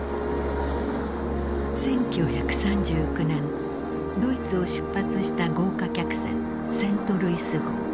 １９３９年ドイツを出発した豪華客船セントルイス号。